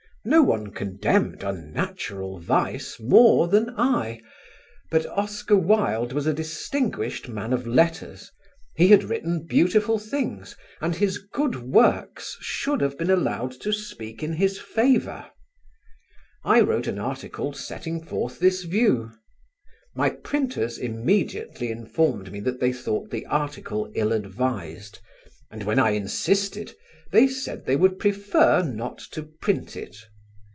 No one condemned unnatural vice more than I, but Oscar Wilde was a distinguished man of letters; he had written beautiful things, and his good works should have been allowed to speak in his favour. I wrote an article setting forth this view. My printers immediately informed me that they thought the article ill advised, and when I insisted they said they would prefer not to print it.